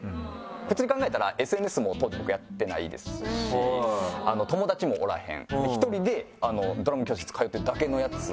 普通に考えたらＳＮＳも当時僕やってないですし友達もおらへん１人でドラム教室通ってるだけのやつなのに。